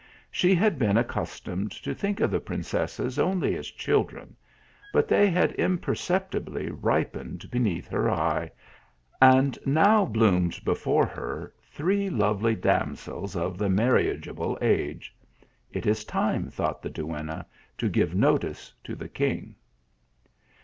She had been ac customed to think of the princesses only as children, but they had imperceptibly ripened beneath her eye, and now bloomed before her three lovely damsels of the marriageable age. It is time, thought the duenna, to give notice to the king.